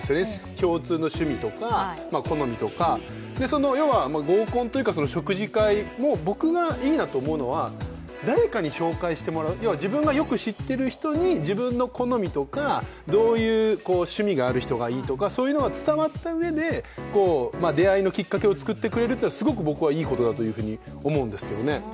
共通の趣味とか、好みとか、要は、合コンというか、食事会も僕がいいなと思うのは、誰かに紹介してもらう、要は自分のよく知ってる人に自分の好みとかどういう趣味がある人がいいとか、そういうのが伝わったうえで出会いのきっかけをつくってくれるというのは僕はすごくいいことだと思うんですけどね。